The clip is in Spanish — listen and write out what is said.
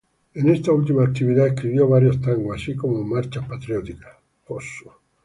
En esta última actividad escribió varios tangos así como marchas patrióticas.